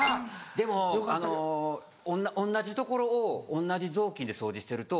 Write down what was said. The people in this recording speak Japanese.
でもあの同じ所を同じ雑巾で掃除してると。